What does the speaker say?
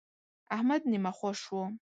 احمد نيمه خوا شو.